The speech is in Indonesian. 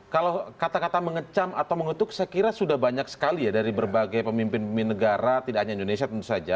kalau kata kata mengecam atau mengetuk saya kira sudah banyak sekali ya dari berbagai pemimpin pemimpin negara tidak hanya indonesia tentu saja